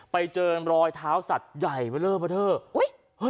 ไปเจอรอยเท้าสัตว์ใหญ่มาเริ่มมาเท่า